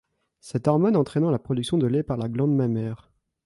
Cette hormone entraînant la production de lait par la glande mammaire.